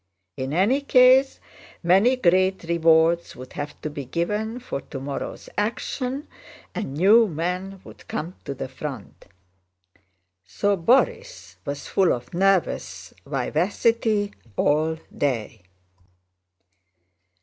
In any case many great rewards would have to be given for tomorrow's action, and new men would come to the front. So Borís was full of nervous vivacity all day.